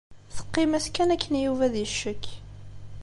Teqqim-as kan akken i Yuba di ccekk.